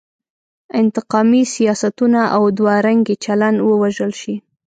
انتقامي سیاستونه او دوه رنګی چلن ووژل شي.